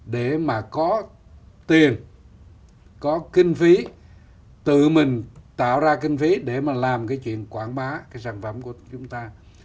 để mà có tiền có kinh phí tự mình tạo ra kinh phí để mà làm cái chuyện quảng bá cái sản phẩm của chúng ta